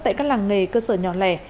tại các làng nghề cơ sở nhỏ lẻ